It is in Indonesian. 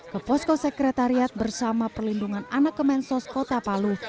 ke posko sekretariat bersama perlindungan anak kemensos kota palu